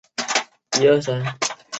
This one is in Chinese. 藏南柳为杨柳科柳属下的一个种。